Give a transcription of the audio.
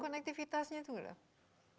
dan konektifitasnya tuh